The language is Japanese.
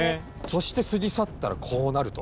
そして過ぎ去ったらこうなると。